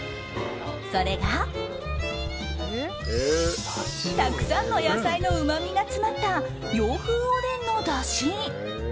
それが、たくさんの野菜のうまみが詰まった洋風おでんのだし。